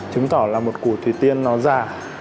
chứng tỏ là một cụ thủy tiên nó già